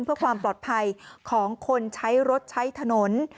เพื่อความปลอดภัยของคนใช้รถใช้ถนน